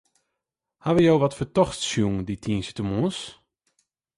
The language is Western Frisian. Hawwe jo wat fertochts sjoen dy tiisdeitemoarns?